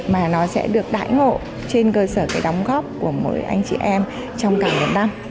mà nó sẽ được đải ngộ trên cơ sở cái đóng góp của mỗi anh chị em trong cả một năm